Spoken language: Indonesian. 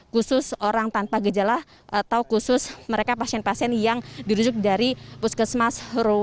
khusus orang tanpa gejala atau khusus mereka pasien pasien yang dirujuk dari puskesmas